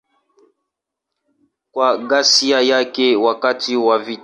Kwa ghasia yake wakati wa vita.